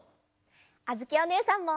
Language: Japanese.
あづきおねえさんも。